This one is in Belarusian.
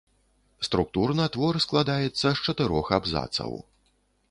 Структурна твор складаецца з чатырох абразоў.